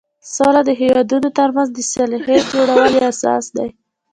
سوله د هېوادونو ترمنځ د صلحې جوړولو یوه اساس ده.